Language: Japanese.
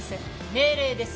命令です。